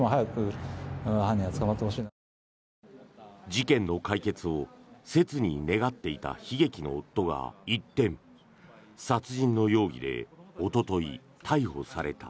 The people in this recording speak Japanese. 事件の解決を切に願っていた悲劇の夫が一転殺人の容疑でおととい、逮捕された。